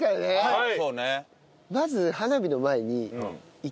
はい。